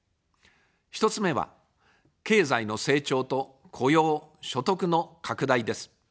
１つ目は、経済の成長と雇用・所得の拡大です。